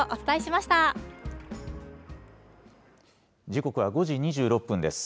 時刻は５時２６分です。